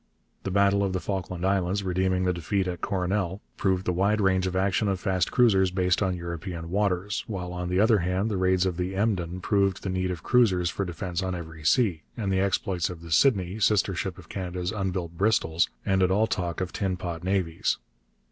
The battle of the Falkland Islands, redeeming the defeat at Coronel, proved the wide range of action of fast cruisers based on European waters, while on the other hand the raids of the Emden proved the need of cruisers for defence on every sea; and the exploits of the Sydney, sister ship of Canada's unbuilt Bristols, ended all talk of tin pot navies.